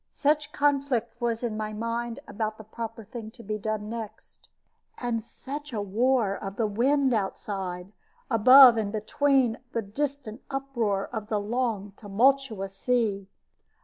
Such conflict was in my mind about the proper thing to be done next, and such a war of the wind outside, above and between the distant uproar of the long tumultuous sea.